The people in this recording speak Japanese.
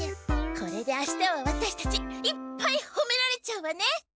これであしたはワタシたちいっぱいほめられちゃうわね！